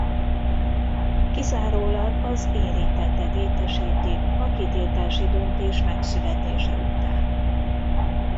Kizárólag az érintettet értesítik a kitiltási döntés megszületése után.